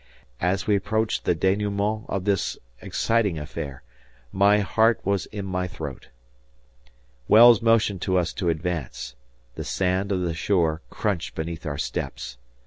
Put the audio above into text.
As we approached the denouement of this exciting affair, my heart was in my throat. Wells motioned to us to advance. The sand of the shore crunched beneath our steps.